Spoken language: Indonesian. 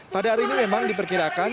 pada hari ini memang diperkirakan